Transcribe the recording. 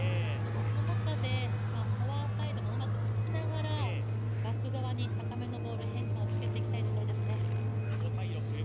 その中でフォアサイドもうまく突きながらバック側に高めのボール、変化をつけていきたいところですね。